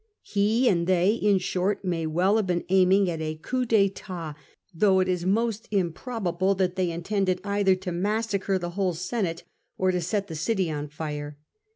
He and they, in short, may well have been aiming at a eou^ d"4tat, though it is most improbable that they intended either to mas sacre the whole Senate or to set the city on fire.